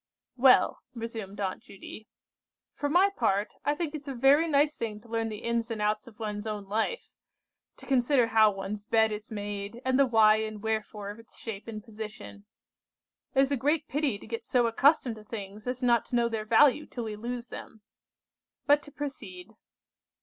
"Well," resumed Aunt Judy, "for my part, I think it's a very nice thing to learn the ins and outs of one's own life; to consider how one's bed is made, and the why and wherefore of its shape and position. It is a great pity to get so accustomed to things as not to know their value till we lose them! But to proceed.